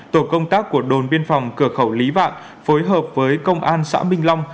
tổ công tác của đồn biên phòng cửa khẩu lý vạn phối hợp với công an xã minh long